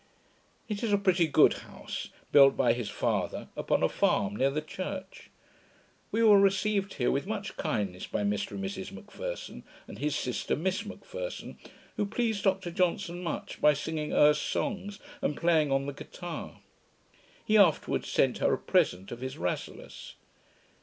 It is a pretty good house, built by his father, upon a farm near the church. We were received here with much kindness by Mr and Mrs M'Pherson, and his sister, Miss M'Pherson, who pleased Dr Johnson much, by singing Erse songs, and playing on the guittar. He afterwards sent her a present of his Rasselas.